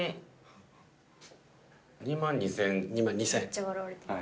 めっちゃ笑われてる。